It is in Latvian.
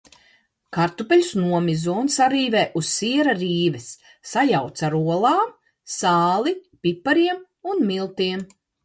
Kartupeļus nomizo un sarīvē uz siera rīves, sajauc ar olām, sāli, pipariem un miltiem.